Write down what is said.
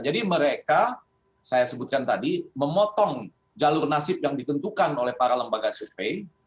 jadi mereka saya sebutkan tadi memotong jalur nasib yang ditentukan oleh para lembaga survei